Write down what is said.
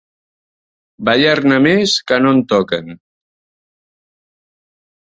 Ballar-ne més que no en toquen.